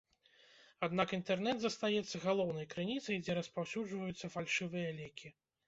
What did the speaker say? Аднак інтэрнэт застаецца галоўнай крыніцай, дзе распаўсюджваюцца фальшывыя лекі.